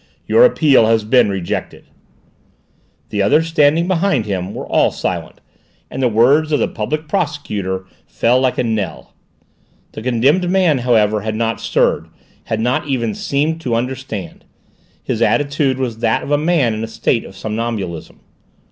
Your appeal has been rejected!" The others, standing behind him, were all silent, and the words of the Public Prosecutor fell like a knell. The condemned man, however, had not stirred, had not even seemed to understand: his attitude was that of a man in a state of somnambulism.